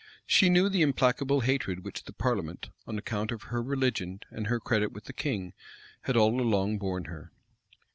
She knew the implacable hatred which the parliament, on account of her religion and her credit with the king, had all along borne her.